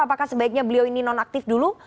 apakah sebaiknya beliau ini nonaktif dulu